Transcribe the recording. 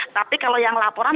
tapi kalau yang laporan